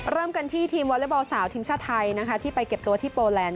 เริ่มกันที่ทีมวอเล็กบอลสาวทีมชาติไทยนะคะที่ไปเก็บตัวที่โปแลนด